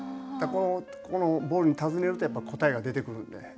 このボールに尋ねるとやっぱ答えが出てくるんで。